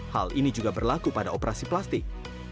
hal ini juga berlaku pada operasi plastik